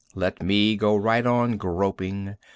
Let me go right on groping.